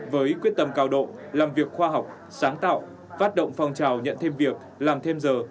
với quyết tâm cao độ làm việc khoa học sáng tạo phát động phong trào nhận thêm việc làm thêm giờ